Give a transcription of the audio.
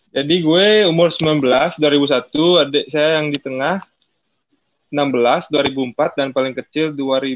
jadi gue umur sembilan belas dua ribu satu adek saya yang di tengah enam belas dua ribu empat dan paling kecil dua ribu tujuh